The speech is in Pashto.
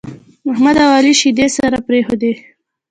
احمد او عالي شيدې سره پرېښودې.